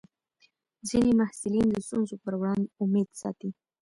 ځینې محصلین د ستونزو پر وړاندې امید ساتي.